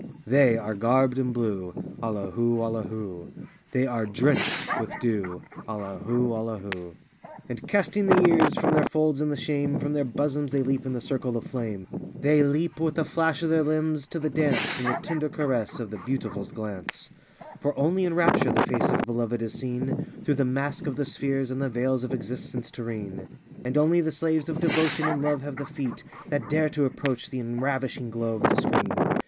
They are garbed in blue, Allahu, Allahu. They are drenched with dew, Allahu, Allahu! "Famous Sufi poets of Persia. b The foremost Sufi poet of Arabia. 81 And casting the years from their folds and the shame From their bosoms, they leap in the circle of flame; They leap, with a flash of their limbs, to the dance In the tender caress of the Beautiful's glance. For only in rapture the face of Beloved is seen Through the mask of the spheres and the veils of existence terrene; And only the slaves of Devotion and Love have the feet That dare to approach the enravishing glow of the Screen.